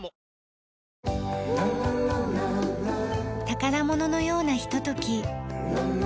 宝物のようなひととき。